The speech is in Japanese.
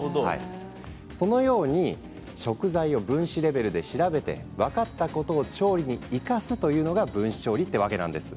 そのように食材を分子レベルで調べて分かったことを調理に生かすというのが分子調理ってわけなんです。